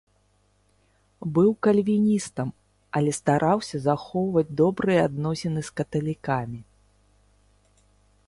Быў кальвіністам, але стараўся захоўваць добрыя адносіны з каталікамі.